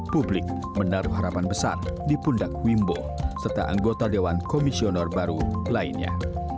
publik menaruh harapan besar di pundak wimbo serta anggota dewan komisioner baru lainnya